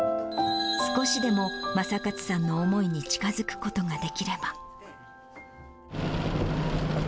少しでも正勝さんの思いに近づくことができれば。